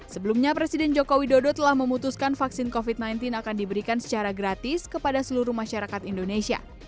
sebelumnya presiden joko widodo telah memutuskan vaksin covid sembilan belas akan diberikan secara gratis kepada seluruh masyarakat indonesia